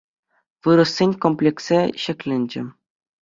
Вырӑссен комплексӗ ҫӗкленчӗ.